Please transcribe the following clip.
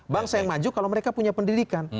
bangsa yang maju kalau mereka punya pendidikan